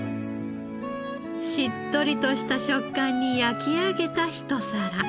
しっとりとした食感に焼き上げた一皿。